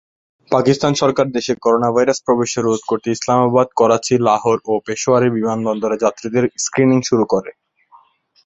পাকিস্তান সরকার দেশে করোনাভাইরাস প্রবেশে রোধ করতে ইসলামাবাদ, করাচি, লাহোর এবং পেশোয়ারের বিমানবন্দরে যাত্রীদের স্ক্রিনিং শুরু করে।